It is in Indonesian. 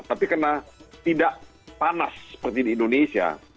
tapi karena tidak panas seperti di indonesia